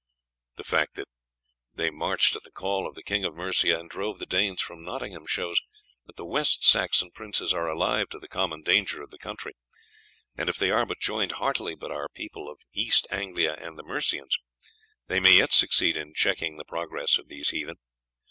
The fact that they marched at the call of the King of Mercia and drove the Danes from Nottingham shows that the West Saxon princes are alive to the common danger of the country, and if they are but joined heartily by our people of East Anglia and the Mercians, they may yet succeed in checking the progress of these heathen.